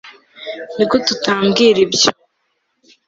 Nigute utambwira ibyo